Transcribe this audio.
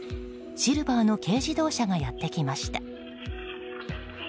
シルバーの軽自動車がやってきました。